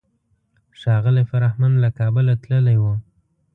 ښاغلی فرهمند له کابله تللی و.